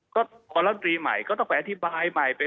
ก็ปีลัตรีใหม่ก็ต้องแปรอธิบายใหม่